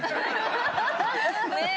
ねえ。